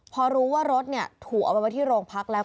พอรู้ว่ารถถูกเอาไปไว้ที่โรงพักแล้ว